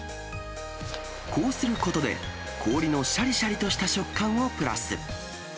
こうすることで、氷のしゃりしゃりとした食感をプラス。